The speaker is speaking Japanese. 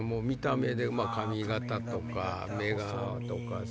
見た目で髪形とか目とか。